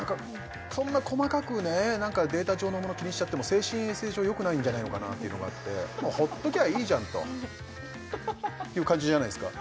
そんな細かくね何かデータ上のもの気にしちゃっても精神衛生上よくないんじゃないのかなっていうのがあってもう放っときゃいいじゃんという感じじゃないですか